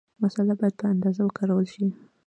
مساله باید په اندازه وکارول شي.